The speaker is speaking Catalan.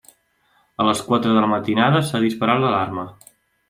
A les quatre de la matinada s'ha disparat l'alarma.